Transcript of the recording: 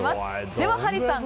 ではハリーさん